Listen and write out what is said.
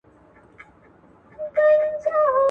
شتمني په ډیرو پیسو کي نه ده.